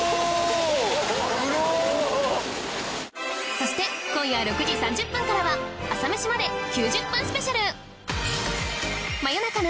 そして今夜６時３０分からは『朝メシまで。』９０分スペシャル